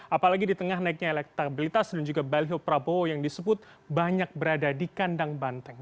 apalagi di tengah naiknya elektabilitas dan juga baliho prabowo yang disebut banyak berada di kandang banteng